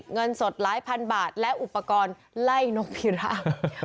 เงินสดหลายพันบาทและอุปกรณ์ไล่นกพิรา